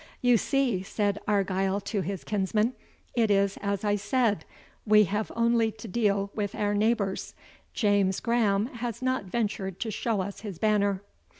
"You see," said Argyle to his kinsmen, "it is as I said, we have only to deal with our neighbours; James Grahame has not ventured to show us his banner."